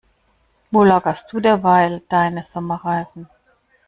Wo lagerst du derweil deine Sommerreifen?